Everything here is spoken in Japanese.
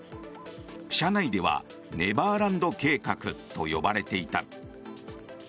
社内ではネバーランド計画と呼ばれていた。